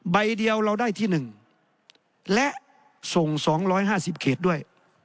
ใบเดียวเราได้ที่หนึ่งและส่งสองร้อยห้าสิบเขตด้วย